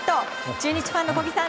中日ファンの小木さん